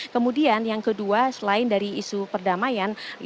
kemudian yang kedua selain dari isu perdamaian